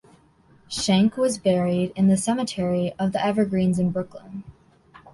Schenck was buried in The Cemetery of the Evergreens in Brooklyn.